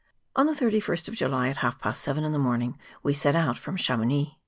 On the 31st of July, at half past seven in the morning, we set out from Chamounix.